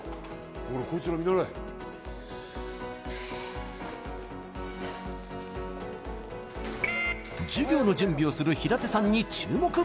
ほらこいつら見習え授業の準備をする平手さんに注目